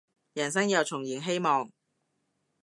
人生又重燃希望